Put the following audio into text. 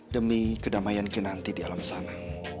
demi kedamaian kita nanti di alam sana